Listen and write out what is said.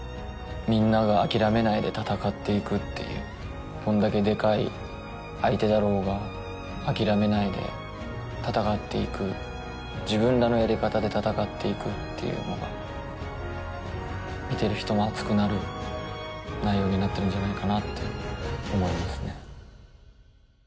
みんなが諦めないで闘っていくっていうどんだけデカい相手だろうが諦めないで闘っていく自分らのやり方で闘っていくっていうのが見てる人も熱くなる内容になってるんじゃないかなって思いますね